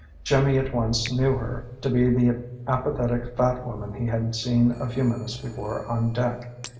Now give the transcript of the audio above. Jimmy at once knew her to be the apathetic fat woman he had seen a few minutes before on deck.